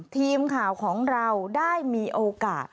ทีมข่าวของเราได้มีโอกาส